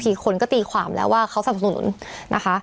บางทีคนก็ตีความแล้วว่าเขาสนุน